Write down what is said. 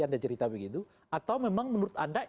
anda cerita begitu atau memang menurut anda